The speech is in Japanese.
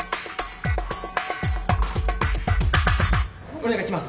お願いします。